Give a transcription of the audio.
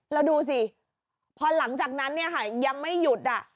แล้วดูสิพอหลังจากนั้นเนี่ยค่ะยังไม่หยุด